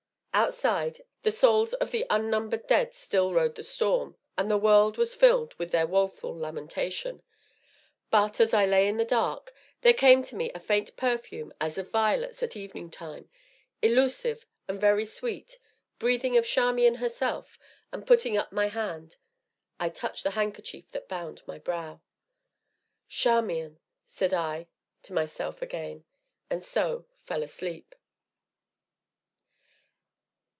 Outside, the souls of the unnumbered dead still rode the storm, and the world was filled with their woeful lamentation. But, as I lay in the dark, there came to me a faint perfume as of violets at evening time, elusive and very sweet, breathing of Charmian herself; and putting up my hand, I touched the handkerchief that bound my brow. "Charmian!" said I to myself again, and so, fell asleep.